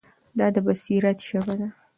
دا د بصیرت ژبه ده.